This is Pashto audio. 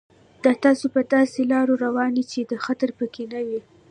دا تاسو په داسې لار روانوي چې خطر پکې نه وي.